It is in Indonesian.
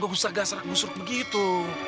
gak usah gasrak ngusur begitu